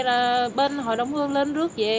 rồi bên hội động hương lên rước về